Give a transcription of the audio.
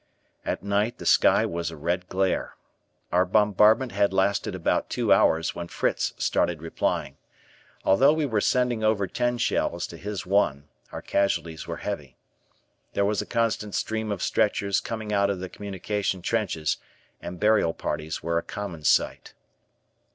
At night the sky was a red glare. Our bombardment had lasted about two hours when Fritz started replying. Although we were sending over ten shells to his one, our casualties were heavy. There was a constant stream of stretchers coming out of the communication trenches and burial parties were a common sight.